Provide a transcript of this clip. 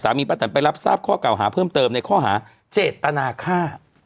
ป้าแตนไปรับทราบข้อเก่าหาเพิ่มเติมในข้อหาเจตนาฆ่า